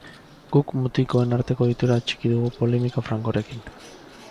Guk mutikoen arteko ohitura atxiki dugu polemika frankorekin.